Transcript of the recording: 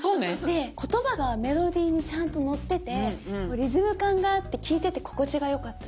で言葉がメロディーにちゃんとのっててリズム感があって聞いてて心地がよかったです。ね。